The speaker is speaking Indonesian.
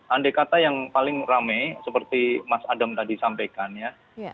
andai kata yang paling rame seperti mas adam tadi sampaikan ya